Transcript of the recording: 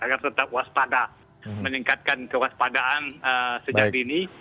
agar tetap waspada meningkatkan kewaspadaan sejak dini